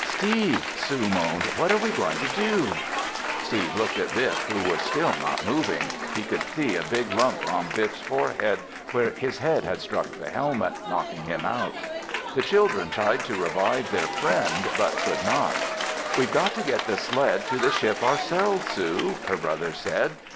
"Steve," Sue moaned, "what are we going to do?" Steve looked at Biff who was still not moving. He could see a big lump on Biff's forehead where his head had struck the helmet, knocking him out. The children tried to revive their friend, but could not. "We've got to get the sled to the ship ourselves, Sue!" her brother said.